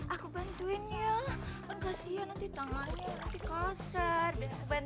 aku bantuin ya kan kasian nanti tangannya kasar